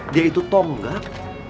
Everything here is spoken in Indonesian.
dia itu tonggak